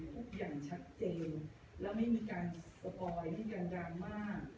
ทุกอย่างชักเจนแล้วไม่มีการสปอยไม่มีการดังมาก